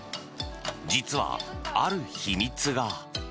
実は、ある秘密が。